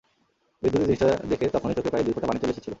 বিদঘুটে জিনিসটা দেখে তখনই চোখে প্রায় দুই ফোঁটা পানি চলে এসেছিল।